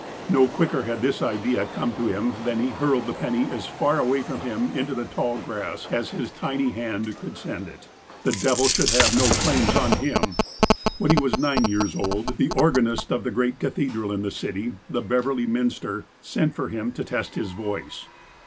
No quicker had this idea come to him than he hurled the penny as far away from him, into the tall grass, as his tiny hand could send it. '' The devil should have no claims on him !" When he was nine years old, the organist of the great cathedral in the city, the Beverley Minster, sent for him to test his voice.